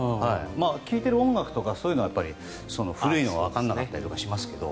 聴いている音楽とかそういうのは古いのがわからなかったりとかしますけど。